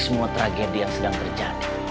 semua tragedi yang sedang terjadi